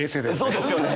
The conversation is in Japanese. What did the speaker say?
そうですよね。